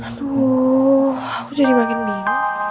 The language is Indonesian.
aduh aku jadi makin nih